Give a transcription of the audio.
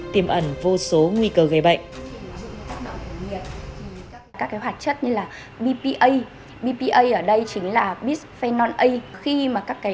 tiềm ẩn vô số nguy cơ gây bệnh các hạt chất như là bpa bpa ở đây chính là bisphenol a khi mà các